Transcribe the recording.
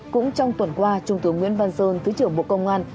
cũng trong tuần qua trung tướng nguyễn văn sơn thứ trưởng bộ công an